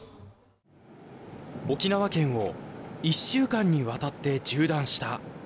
沖縄県を１週間にわたって縦断した。